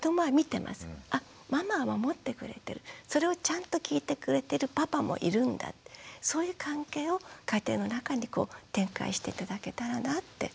あママは守ってくれてるそれをちゃんと聞いてくれてるパパもいるんだそういう関係を家庭の中にこう展開して頂けたらなって思いますけどね。